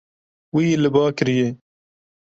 Wî li ba kiriye.